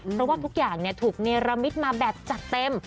เพราะว่าทุกอย่างถูกเนรมิตมาแบบจัดเต็ม